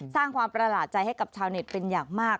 สร้างความประหลาดใจให้กับชาวเน็ตเป็นอย่างมาก